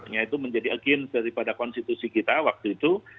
ya itu menjadi agen daripada konstitusi kita waktu itu